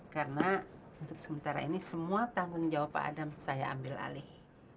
karena untuk sementara ini semua tanggung jawab pak adam saya ambil alih